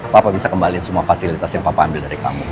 bapak bisa kembaliin semua fasilitas yang papa ambil dari kamu